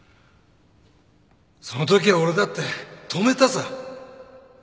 そのときは俺だって止めたさ。